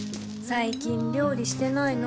最近料理してないの？